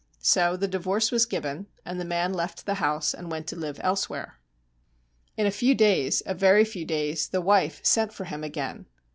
So the divorce was given, and the man left the house and went to live elsewhere. In a few days a very few days the wife sent for him again.